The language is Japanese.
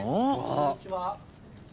・こんにちは。